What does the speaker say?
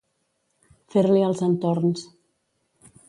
Fer-li els entorns.